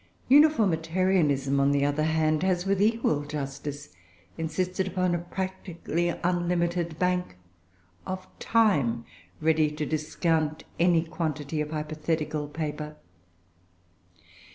UNIFORMITARIANISM, on the other hand, has with equal justice insisted upon a practically unlimited bank of time, ready to discount any quantity of hypothetical paper.